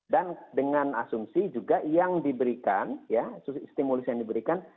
dan dengan asumsi juga yang diberikan ya stimulus yang diberikan